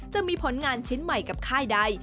จะมีผลงานชิ้นใหม่กับค่ายใด